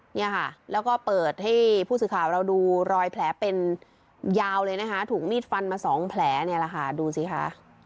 เนี่ยค่ะแล้วก็เปิดให้ผู้สื่อข่าวเราดูรอยแผลเป็นยาวเลยนะคะถูกมีดฟันมาสองแผลเนี่ยแหละค่ะดูสิคะ